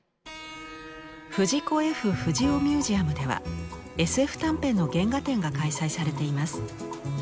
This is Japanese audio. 藤子・Ｆ・不二雄ミュージアムではＳＦ短編の原画展が開催されています。